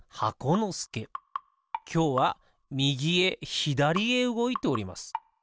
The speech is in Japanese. きょうはみぎへひだりへうごいております。